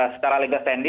ya jadi itu kasusnya